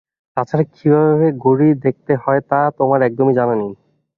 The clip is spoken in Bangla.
তাছাড়া কীভাবে ঘড়ি দেখতে হয়, তা তোমার একদমই জানা নেই।